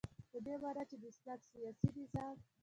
په دی معنا چی د اسلام سیاسی نظام